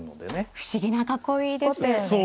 不思議な囲いですよね。